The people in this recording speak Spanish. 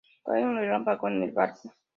Cae un relámpago en el barco.